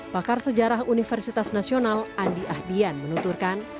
pakar sejarah universitas nasional andi ahdian menunturkan